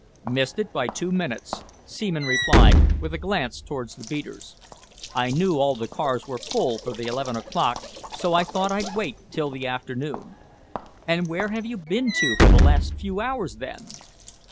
"Missed it by two minutes," Seaman replied with a glance towards the beaters. "I knew all the cars were full for the eleven o'clock, so I thought I'd wait till the afternoon." "And where have you been to for the last few hours, then?"